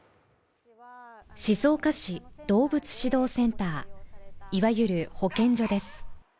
静岡市動物指導センターいわゆる保健所です